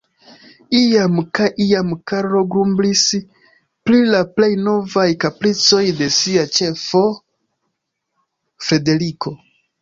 Iam kaj iam Karlo grumblis pri la plej novaj kapricoj de sia ĉefo, Frederiko.